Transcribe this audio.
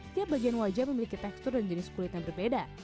tiap bagian wajah memiliki tekstur dan jenis kulit yang berbeda